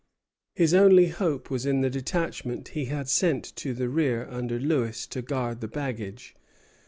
His only hope was in the detachment he had sent to the rear under Lewis to guard the baggage.